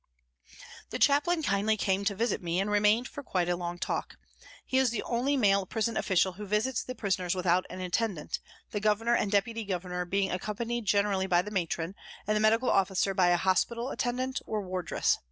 The chaplain kindly came to visit me and remained for quite a long talk. He is the only male prison official who visits the prisoners without an attendant, the Governor and Deputy Governor being accompanied generally by the Matron, and the medical officer by a hospital attendant or wardress.